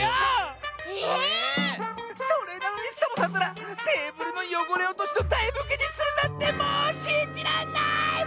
ええ⁉それなのにサボさんったらテーブルのよごれおとしのだいふきにするなんてもうしんじらんない！